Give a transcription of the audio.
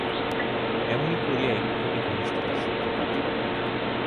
এমনি করিয়া একটুখানি ঘনিষ্ঠতার সূত্রপাত হয়।